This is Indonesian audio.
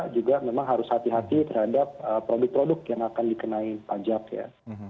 juga memang harus hati hati terhadap produk produk yang akan dikenai pajak ya